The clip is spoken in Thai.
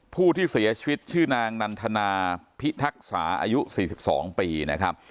ผู้ที่เสียชีวิตชื่อนางนันทนาพิทักษาอายุ๔๒ปีนะครับ